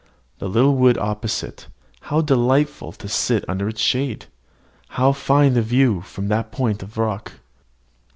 The little wood opposite how delightful to sit under its shade! How fine the view from that point of rock!